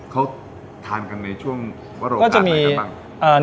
เขาทานกันในช่วงวัตรโลกาตไหนกันบ้าง